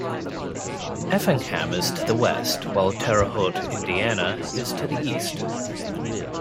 Effingham is to the west, while Terre Haute, Indiana, is to the east.